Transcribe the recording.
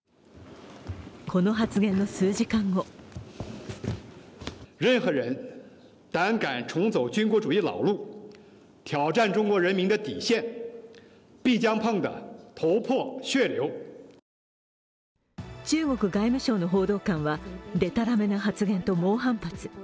この発言の数時間後中国外務省の報道官は、でたらめな発言と猛反発。